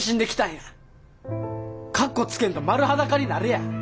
かっこつけんと丸裸になれや。